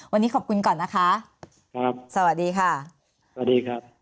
วันนี้ขอบคุณก่อนนะคะสวัสดีค่ะสวัสดีครับสวัสดีครับ